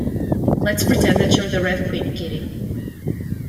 Let’s pretend that you’re the Red Queen, Kitty!